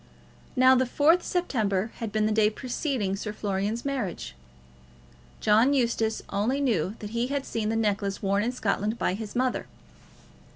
Now, the 4th September had been the day preceding Sir Florian's marriage. John Eustace only knew that he had seen the necklace worn in Scotland by his mother.